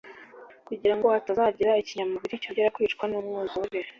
kugira ngo hatazagira ikinyamubiri cyongera kwicwa n'umwuzure